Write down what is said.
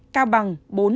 cao bằng bốn